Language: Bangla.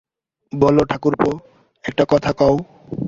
বলো ঠাকুরপো, একটা কথা কও।